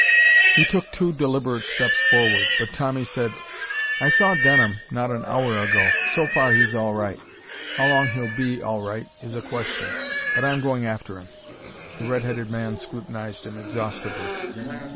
He took two deliberate steps forward. But Tommy said: "I saw Denham not an hour ago. So far, he's all right. How long he'll be all right is a question. But I'm going after him." The red headed man scrutinized him exhaustively.